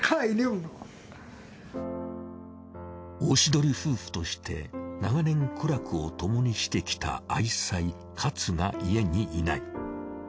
おしどり夫婦として長年苦楽をともにしてきた愛妻かつが家にいない。